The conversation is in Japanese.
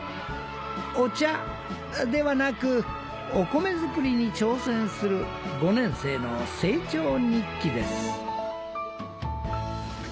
お茶ではなくお米作りに挑戦する５年生の成長日記です。